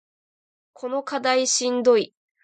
この課題しんどい